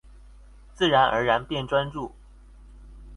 自然而然變專注